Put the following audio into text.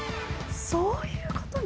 そういうことね。